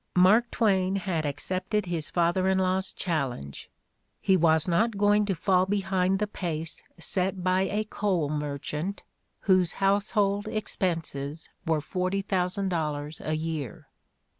Mark Twain had accepted his father in law's chal lenge: he was not going to fall behind the pace set by a coal merchant whose household expenses were $40,000 a year.